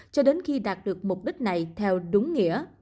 cho đến khi đạt được mục đích này theo đúng nghĩa